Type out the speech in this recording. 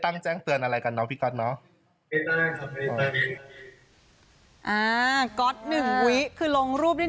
ตกว่าคนแคปกินกว่าใคร